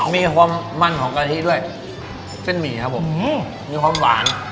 มีความมันของกะทิด้วยเส้นหมี่ครับผมมีความหวาน